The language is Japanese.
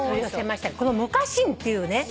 このむか新っていうね